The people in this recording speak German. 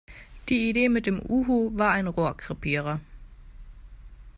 Die Idee mit dem Uhu war ein Rohrkrepierer.